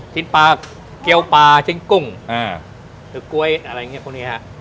ชิ้นปลาเกลียวปลาชิ้นกุ้งอ่าหืดกล้วยอะไรอย่างเงี้ยพวกนี้ฮะ